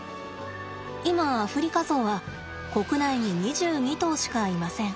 今アフリカゾウは国内に２２頭しかいません。